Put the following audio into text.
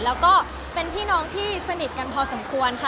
แล้วก็เป็นพี่น้องที่สนิทกันพอสมควรค่ะ